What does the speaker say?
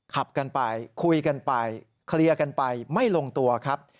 ขับกันไปคุยกันไปเคลียร์กันไปไม่ลงตัวครับ